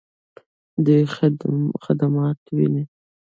دوی خدمات ویني؟